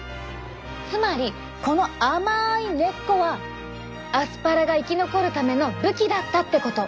つまりこの甘い根っこはアスパラが生き残るための武器だったってこと。